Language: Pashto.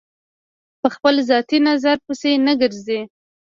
په خپل ذاتي نظر پسې نه ګرځي.